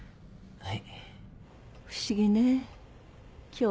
はい。